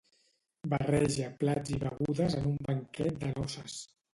Barreja plats i begudes en un banquet de noces.